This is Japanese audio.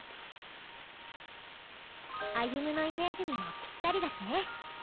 歩夢のイメージにもぴったりだしね。